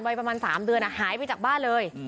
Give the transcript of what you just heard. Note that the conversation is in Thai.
ประมาณ๓เดือนหายไปจากบ้านเลย